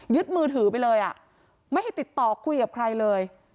มือถือไปเลยอ่ะไม่ให้ติดต่อคุยกับใครเลย